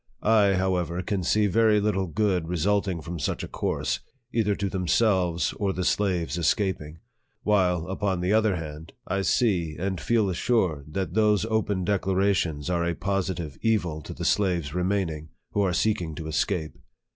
I, however, can see very little good resulting from such a course, either to them selves or the slaves escaping ; while, upon the other hand, I see and feel assured that those open declara tions are a positive evil to the slaves remaining, who are seeking to escape.